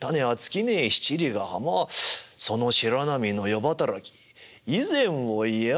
その白浪の夜働き以前を言やァ